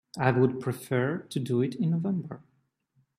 I would prefer to do it in November.